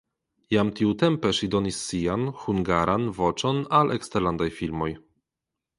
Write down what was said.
Jam tiutempe ŝi donis sian (hungaran) voĉon al eksterlandaj filmoj.